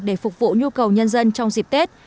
để phục vụ nhu cầu nhân dân trong dịp tết